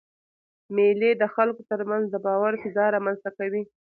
مېلې د خلکو تر منځ د باور فضا رامنځ ته کوي.